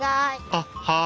あっはい。